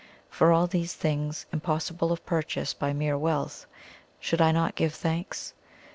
For all these things, impossible of purchase by mere wealth, should I not give thanks?